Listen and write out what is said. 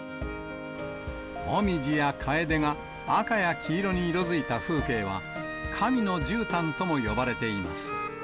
モミジやカエデが赤や黄色に色づいた風景は、神のじゅうたんとも呼ばれています。